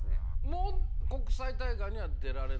もう国際大会には出られないんですか？